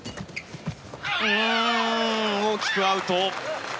大きくアウト。